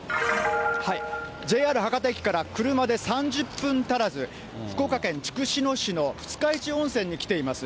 ＪＲ博多駅から車で３０分足らず、福岡県筑紫野市の二日市温泉に来ています。